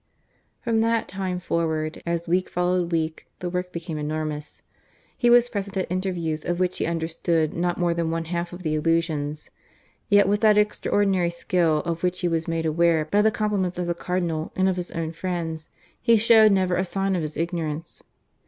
From that time forward, as week followed week, the work became enormous. He was present at interviews of which he understood not more than one half of the allusions; yet with that extraordinary skill of which he was made aware by the compliments of the Cardinal and of his own friends, he showed never a sign of his ignorance.